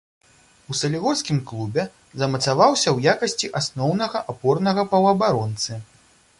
У салігорскім клубе замацаваўся ў якасці асноўнага апорнага паўабаронцы.